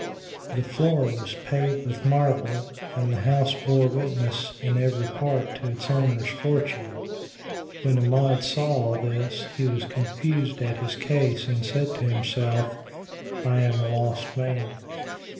The floor was paved with marble and the house bore witness in every part to its owner's fortune. When Amjad saw all this, he was confounded at his case and said to himself, "I am a lost man!